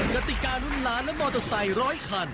กติการุ่นล้านและมอเตอร์ไซค์ร้อยคัน